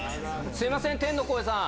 すいません天の声さん。